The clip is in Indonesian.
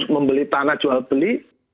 membeli tanah jual beli